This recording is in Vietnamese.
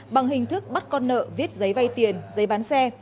bằng hình thức bắt con nợ viết giấy vay tiền giấy bán xe